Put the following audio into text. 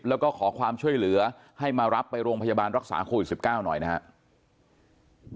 แล้วก็ขอความช่วยเหลือให้มารับไปโรงพยาบาลรักษาโควิด๑๙หน่อยนะครับ